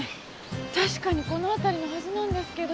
確かにこの辺りのはずなんですけど。